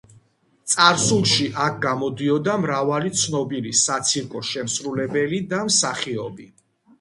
წარსულში აქ გამოდიოდა მრავალი ცნობილი საცირკო შემსრულებელი და მსახიობი.